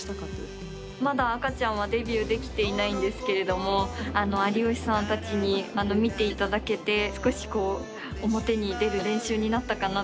まだ赤ちゃんはデビューできていないんですけれども有吉さんたちに見ていただけて少しこう表に出る練習になったかなと思います。